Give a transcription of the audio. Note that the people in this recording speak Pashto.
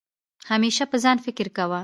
همېشه په ځان فکر کوه